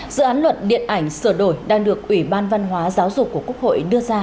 dự án luật điện ảnh sửa đổi đang được ủy ban văn hóa giáo dục của quốc hội đưa ra